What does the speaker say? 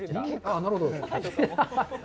なるほど。